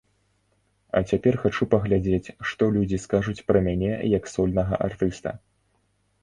А цяпер хачу паглядзець, што людзі скажуць пра мяне як сольнага артыста.